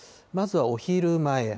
まずはお昼前。